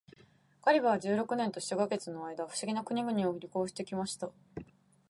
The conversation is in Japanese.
ガリバーは十六年と七ヵ月の間、不思議な国々を旅行して来ました。